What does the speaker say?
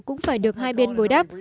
cũng phải được hai bên bồi đắp